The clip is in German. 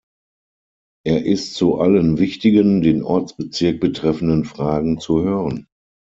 Er ist zu allen wichtigen, den Ortsbezirk betreffenden Fragen zu hören.